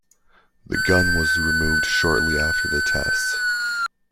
The gun was removed shortly after the tests.